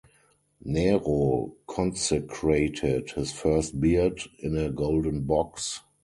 Nero consecrated his first beard in a golden box.